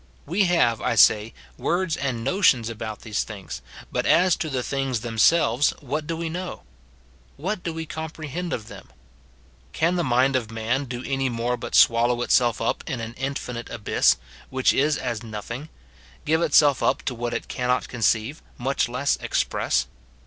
We have, I say, words and notions about these things ; but as to the things themselves what do we know ? what do we comprehend of them ? Can the mind of man do any more but swallow itself up in an infinite abyss, which is 268 MORTIFICATION OF as notlnng ; give itself up to what it cannot conceive, niucli less express